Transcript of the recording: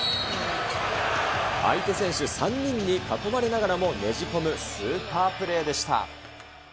相手選手３人に囲まれながらもねじ込むスーパープレーでした。